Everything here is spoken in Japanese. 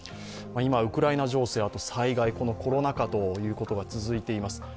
今ウクライナ情勢、災害、コロナ禍ということが続いています。